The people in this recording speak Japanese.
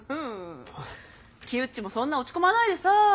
キウッチもそんな落ち込まないでさ。